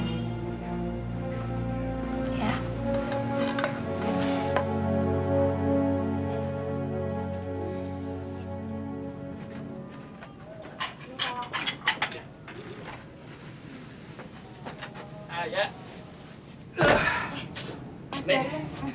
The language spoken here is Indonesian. terus konsentrasi sama kerjaan